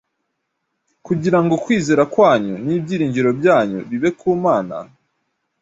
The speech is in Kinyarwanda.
kugira ngo kwizera kwanyu n’ibyiringiro byanyu bibe ku mana.”